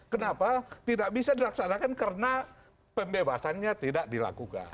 kenapa tidak bisa dilaksanakan karena pembebasannya tidak dilakukan